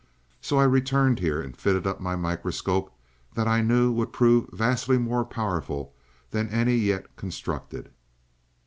So I returned here and fitted up my microscope that I knew would prove vastly more powerful than any yet constructed.